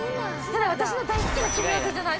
私の大好きな組み合わせじゃない？